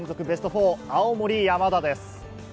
ベスト４、青森山田です。